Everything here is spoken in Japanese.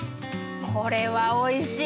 これはおいしい。